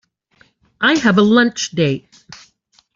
I have a lunch date.